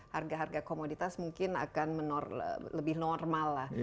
harga harga komoditas mungkin akan lebih normal lah